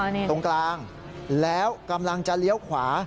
ตรงกลางแล้วกำลังจะเลี้ยวขวา